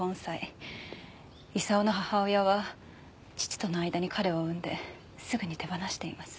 功の母親は父との間に彼を産んですぐに手放しています。